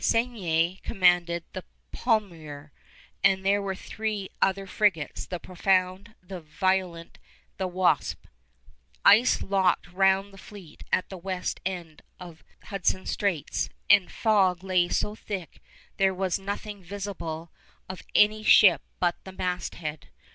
Sérigny commanded the Palmier, and there were three other frigates, the Profound, the Violent, the Wasp. Ice locked round the fleet at the west end of Hudson Straits, and fog lay so thick there was nothing visible of any ship but the masthead.